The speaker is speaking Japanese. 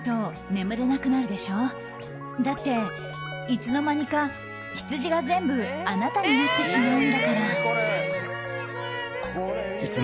いつの間にかヒツジが全部あなたになってしまう。